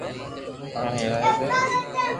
ايني ھيڙوا دي